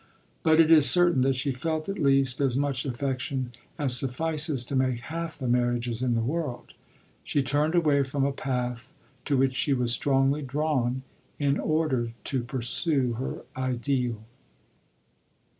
But it is certain that she felt at least as much affection as suffices to make half the marriages in the world. She turned away from a path to which she was strongly drawn in order to pursue her Ideal.